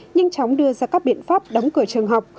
nhanh chóng đưa ra các biện pháp đóng cửa trường học